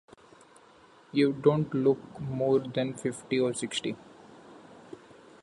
You don't look more than fifty or sixty.